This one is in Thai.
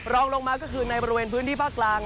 รองลงมาก็คือในบริเวณพื้นที่ภาคกลาง